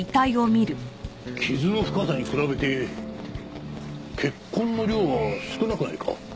傷の深さに比べて血痕の量が少なくないか？